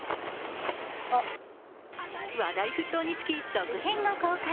話題沸騰につき、続編が公開。